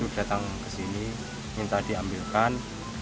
datang ke sini minta diambilkan